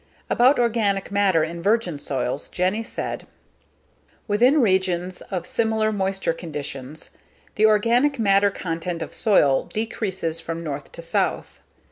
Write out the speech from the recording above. _ About organic matter in virgin soils, Jenny said: "Within regions of similar moisture conditions, the organic matter content of soil ... decreases from north to south.